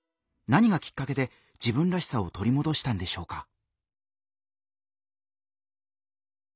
何がきっかけで自分らしさを取り戻したんでしょうか？